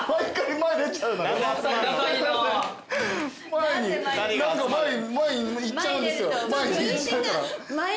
前に何か前に前に行っちゃうんですよ。